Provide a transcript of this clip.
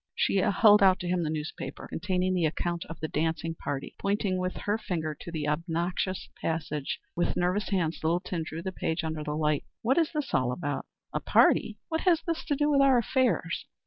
She held out to him the newspaper containing the account of the dancing party, pointing with her finger to the obnoxious passage. With nervous hands Littleton drew the page under the light. "What is all this about? A party? What has it to do with our affairs?"